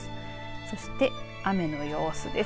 そして、雨の様子です。